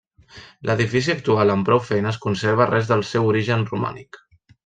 L'edifici actual amb prou feines conserva res del seu origen romànic.